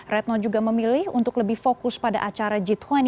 retno juga memilih untuk lebih fokus pada acara g dua puluh